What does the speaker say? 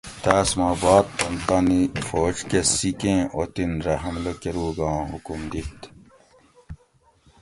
تاس ما باد تن تانی فوج کہ سیکھیں اوطن رہ حملہ کۤروگاں حکم دیت